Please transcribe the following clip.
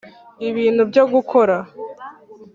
ibintu byo gukora